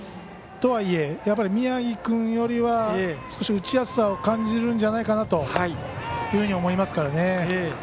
とはいえ、やっぱり宮城君よりは少し打ちやすさを感じるのではないかなと思いますからね。